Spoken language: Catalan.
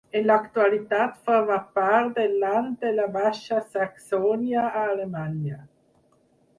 En l'actualitat forma part del Land de la Baixa Saxònia a Alemanya.